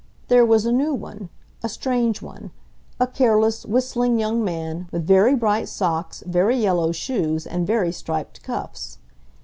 There was a new one, a strange one, a careless, whistling young man, with very bright socks, very yellow shoes, and very striped cuffs.